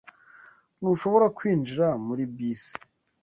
Ntushobora kwinjira muri bisi.